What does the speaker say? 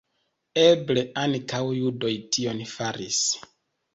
Eble ankaŭ judoj tion faris.